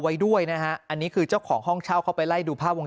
ไว้ด้วยนะฮะอันนี้คือเจ้าของห้องเช่าเข้าไปไล่ดูภาพวง